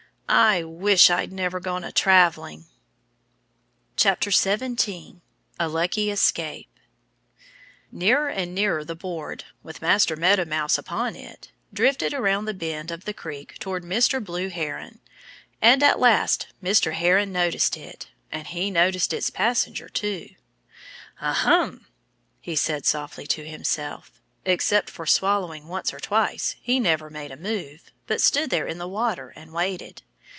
"I wish I'd never gone a traveling!" 17 A Lucky Escape NEARER and nearer the board, with Master Meadow Mouse upon it, drifted around the bend of the creek toward Mr. Great Blue Heron. And at last Mr. Heron noticed it. And he noticed its passenger, too. "Ahem!" he said softly to himself. Except for swallowing once or twice, he never made a move, but stood there in the water and waited.